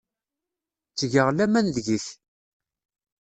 Ttgeɣ laman deg-k.